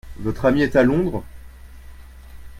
Votre ami est à Londres ?